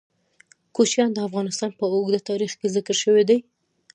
کوچیان د افغانستان په اوږده تاریخ کې ذکر شوی دی.